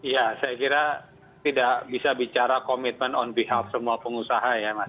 ya saya kira tidak bisa bicara komitmen on behalf semua pengusaha ya mas